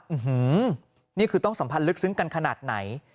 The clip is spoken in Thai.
นี่คือต้องสัมพันธ์ลึกซึ้งกันขนาดไหน